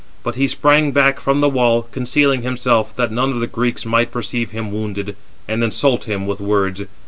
But he sprang back from the wall, concealing himself, that none of the Greeks might perceive him wounded, and insult him with words.